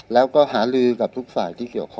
แล้วก็หารือกับทุกศาสตร์ที่เขียวครอบ